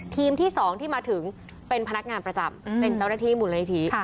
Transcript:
ที่๒ที่มาถึงเป็นพนักงานประจำเป็นเจ้าหน้าที่มูลนิธิ